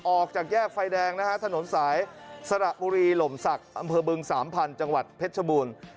ออกจากแยกไฟแดงนะฮะถนนสายสระบุรีหล่มศักดิ์อำเภอบึงสามพันธุ์จังหวัดเพชรชบูรณ์